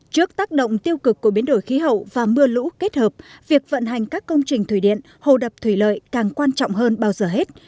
trước tác động tiêu cực của biến đổi khí hậu và mưa lũ kết hợp việc vận hành các công trình thủy điện hồ đập thủy lợi càng quan trọng hơn bao giờ hết